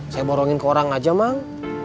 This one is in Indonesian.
saya borongin ke orang aja bang